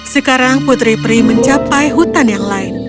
sekarang putri pri mencapai hutan yang lain